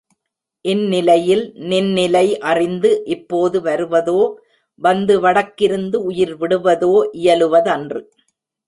இந்நிலையில் நின்னிலை அறிந்து இப்போது வருவதோ, வந்து வடக்கிருந்து உயிர் விடுவதோ இயலுவதன்று.